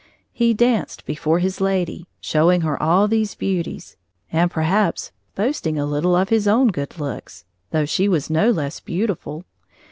He danced before his lady, showing her all these beauties, and perhaps boasting a little of his own good looks, though she was no less beautiful.